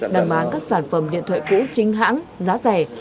đang bán các sản phẩm điện thoại cũ chính hãng giá rẻ